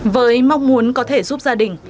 với mong muốn có thể giúp gia đình